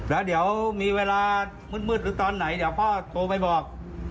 แล้วเดี๋ยวมีเวลามืดหรือตอนไหนพ่อก็โทรไว้บอก